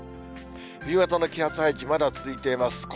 冬型の気圧配置、まだ続いています。